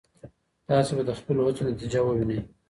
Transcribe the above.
تاسي به د خپلو هڅو نتيجه ووينئ.